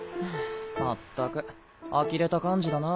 まったくあきれた幹事だな。